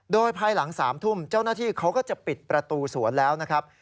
โดยภายหลัง๓ทุ่มเจ้าหน้าที่เขาก็จะปิดประตูสวนแล้วนะครับ